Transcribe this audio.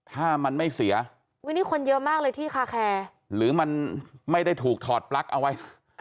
ถ้ามันไม่เสียอุ้ยนี่คนเยอะมากเลยที่คาแคร์หรือมันไม่ได้ถูกถอดปลั๊กเอาไว้